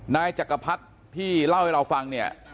นายจักรพัฒน์ที่เล่าให้เราฟัง